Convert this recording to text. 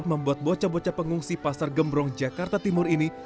membuat bocah bocah pengungsi pasar gembrong jakarta timur ini